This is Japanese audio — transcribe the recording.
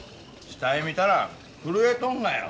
死体見たら震えとんがよ。